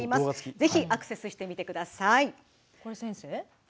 ぜひアクセスしてみてください。